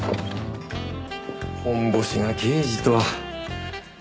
ホンボシが刑事とは。